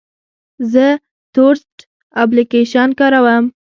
زه تورسټ اپلیکیشن کاروم.